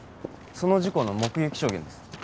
その事故の目撃証言です